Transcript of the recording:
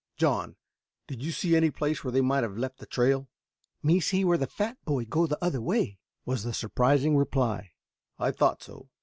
John, did you see any place where they might have left the trail?" "Me see where fat boy go other way," was the surprising reply. "I thought so.